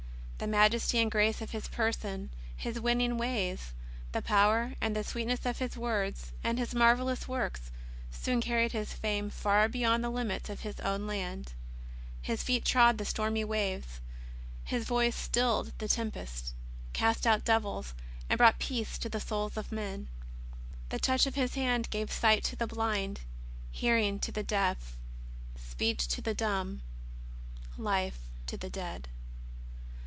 The majesty and grace of His Person, His winning ways, the power and the sweetness of His words, and His marvellous works, * Acts ix. 5. 2 17 18 JESUS OF NAZARETH. soon carried His fame far beyond the limits of His own land. His feet trod the stormy waves. His voice stilled the tempests, cast out devils, and brought peace to the souls of men. The touch of His hand gave sight to the blind, hearing to the deaf, speech to the dumb, life to the dead.